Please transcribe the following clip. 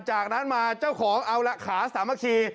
จากนั้นมาเจ้าของเอาละขาสามัคคี